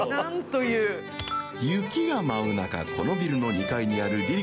雪が舞う中このビルの２階にある味